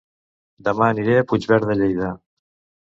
Dema aniré a Puigverd de Lleida